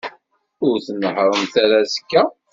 Ur tnehhṛemt ara azekka.